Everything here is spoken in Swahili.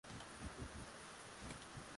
msemaji wa jeshi la sudan kusini spla